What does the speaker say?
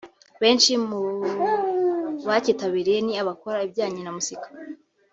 Benshi mu bacyitabiriye ni abakora ibijyanye na muzika